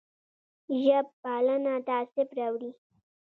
ژب پالنه تعصب راوړي